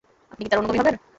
আপনি কি তাঁর অনুগামী হবেন?